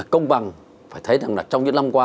công bằng phải thấy rằng là trong những năm qua